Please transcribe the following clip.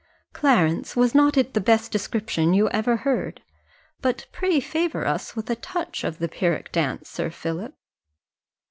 "Clarence, was not it the best description you ever heard? But pray favour us with a touch of the Pyrrhic dance, Sir Philip."